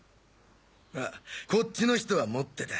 あこっちのヒトは持ってた。